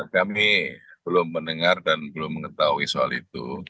kami belum mendengar dan belum mengetahui soal itu